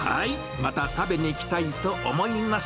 また食べに来たいと思います。